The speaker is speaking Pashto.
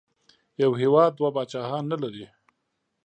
یو هېواد دوه پاچاهان نه لري.